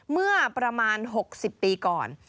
เมื่อประมาณ๖๐ปีก่อน